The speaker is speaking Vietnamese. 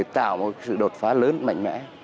tạo một sự đột phá lớn mạnh mẽ